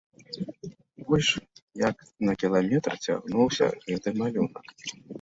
Больш як на кіламетр цягнуўся гэты малюнак.